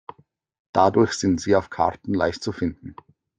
Dadurch sind sie auf Karten leicht zu finden.